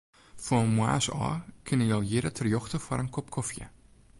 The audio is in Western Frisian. Fan moarns ôf kinne jo hjir terjochte foar in kop kofje.